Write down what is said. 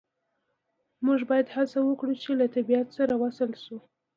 موږ باید هڅه وکړو چې له طبیعت سره وصل شو